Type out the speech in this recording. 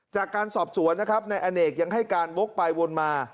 จากการสอบสวนนะครับนายอเนกยังให้การวกไปวนมา